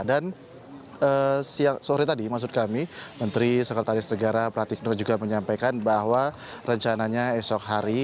dan sore tadi menteri sekretaris negara pratik nuk juga menyampaikan bahwa rencananya esok hari